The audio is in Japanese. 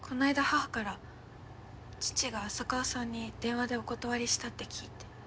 母から父が浅川さんに電話でお断りしたって聞いて。